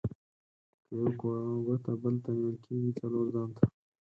که یوه ګوته بل ته نيول کېږي؛ :څلور ځان ته.